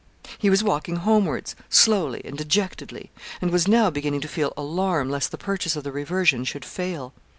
He was walking homewards, slowly and dejectedly; and was now beginning to feel alarm lest the purchase of the reversion should fail.